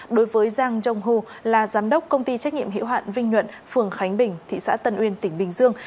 đối với giang jong u là giám đốc công ty trách nhiệm hiệu hạn vinh nhuận phường khánh bình thị xã tân uyên tỉnh bình dương